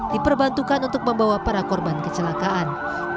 diperbantukan untuk membawa para korban kecelakaan